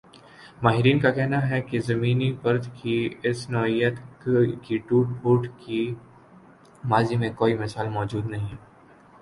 ماہرین کا کہنا ہی کہ زمینی پرت کی اس نوعیت کی ٹوٹ پھوٹ کی ماضی میں کوئی مثال موجود نہیں ا